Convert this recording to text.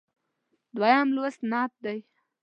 دویم لوست نعت دی.